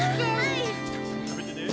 食べてね。